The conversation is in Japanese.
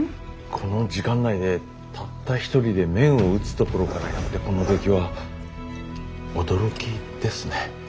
この時間内でたった一人で麺を打つところからやってこの出来は驚きですね。